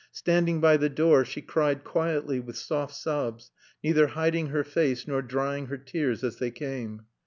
Standing by the door, she cried quietly, with soft sobs, neither hiding her face nor drying her tears as they came.